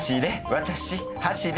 私走れ